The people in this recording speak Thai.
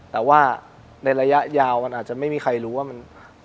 แต่ว่าในระยะยาวมันอาจจะไม่มีใครรู้ว่ามัน